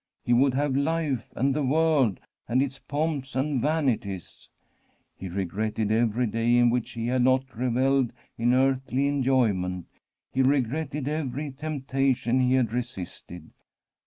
He would have life, and the world, and its pomps and vanities. He regretted every day in which he had not revelled in earthly enjoy ment ; he regretted every temptation he had re sisted.